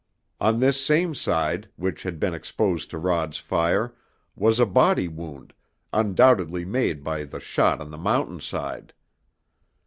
On this same side, which had been exposed to Rod's fire, was a body wound, undoubtedly made by the shot on the mountain side.